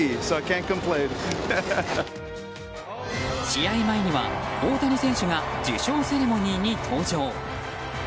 試合前には大谷選手が受賞セレモニーに登場。